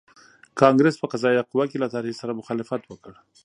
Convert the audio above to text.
کانګریس په قضایه قوه کې له طرحې سره مخالفت وکړ.